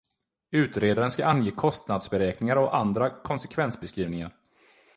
Utredaren ska ange kostnadsberäkningar och andra konsekvensbeskrivningar.